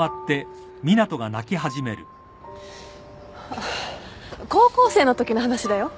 あっ高校生のときの話だよ。